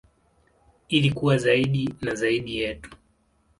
Ili kuwa zaidi na zaidi yetu.